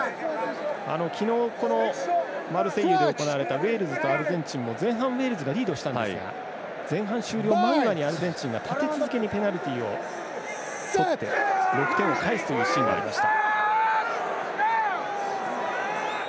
昨日マルセイユで行われたウェールズとアルゼンチンも前半、ウェールズがリードしたんですが前半終了間際にアルゼンチンが立て続けにペナルティをとって６点を返すというシーンがありました。